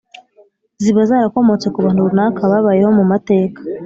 ziba zarakomotse ku bantu runaka babayeho mu mateka